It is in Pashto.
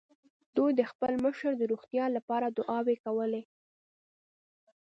دوی د خپل مشر د روغتيا له پاره دعاوې کولې.